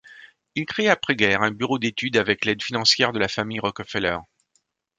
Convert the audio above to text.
Il crée après guerre un bureau d'études avec l'aide financière de la famille Rockefeller.